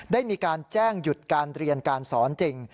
ได้มีการแจ้งหยุดการเรียนการสอนจริง